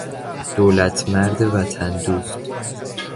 دولتمرد وطن دوست